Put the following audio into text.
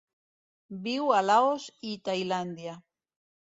Viu a Laos i Tailàndia.